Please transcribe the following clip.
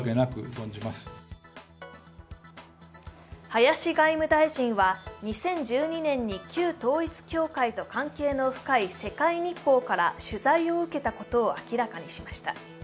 林外務大臣は２０１２年に旧統一教会と関係の深い「世界日報」から取材を受けたことを明らかにしました。